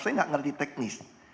saya tidak mengerti teknis